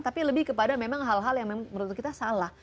tapi lebih kepada memang hal hal yang menurut kita salah